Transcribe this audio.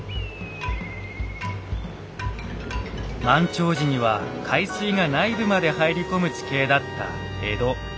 満潮時には海水が内部まで入り込む地形だった江戸。